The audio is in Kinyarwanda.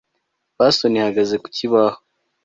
Bason ihagaze ku kibaho